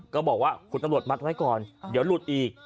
ก็บอกว่าคุณตำรวจมัดไว้ก่อนเดี๋ยวหลุดอีก